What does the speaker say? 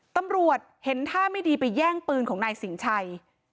ตำรวจเห็นท่าไม่ดีไปแย่งปืนของนายสิงชัย